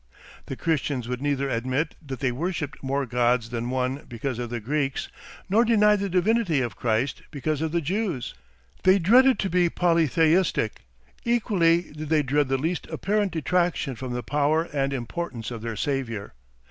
The Christians would neither admit that they worshipped more gods than one because of the Greeks, nor deny the divinity of Christ because of the Jews. They dreaded to be polytheistic; equally did they dread the least apparent detraction from the power and importance of their Saviour.